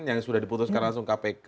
yang sudah diputuskan langsung kpk